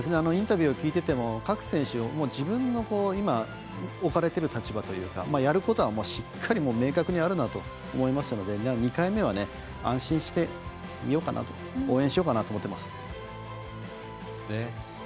インタビューを聞いてても各選手、自分の今置かれている立場というかやることはしっかり明確にあるなと思いましたので２回目は、安心して見ようかなと応援しようかなと思ってます。